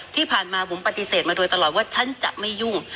ที่ผ่านมาบุ๋มปฏิเสธมาโดยตลอดว่าฉันจะไม่ยุ่ง